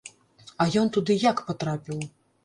А ён туды як патрапіў?